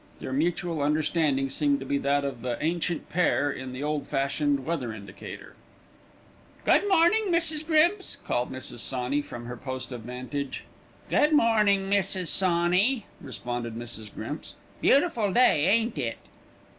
Their mutual understanding seemed to be that of the ancient pair in the old fashioned weather indicator. "Good morning, Mrs. Grimps," called Mrs. Sawney from her post of vantage. "Good morning, Mrs. Sawney," responded Mrs. Grimps. "Beautiful day, ain't it?"